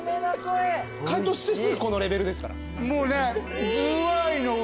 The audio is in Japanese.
解凍してすぐこのレベルですから。